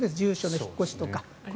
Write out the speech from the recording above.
引っ越しとか。